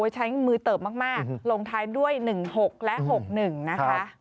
ใช้มือเติบมากลงท้ายด้วย๑๖และ๖๑นะคะ